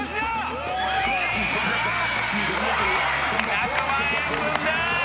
１００万円分だ！